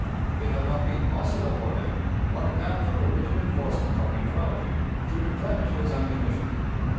It had not been possible for him, on account of the rigid enforcement of "neutrality," to replenish his ammunition.